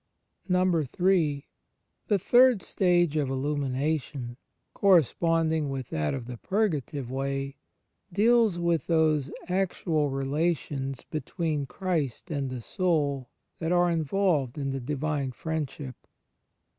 in. The third stage of Illumination, corresponding with that of the Purgative Way, deals with those actual relations between Christ and the soul that are involved in the Divine Friendship.